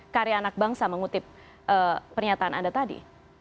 karya anak bangsa mengutip pernyataan anda tadi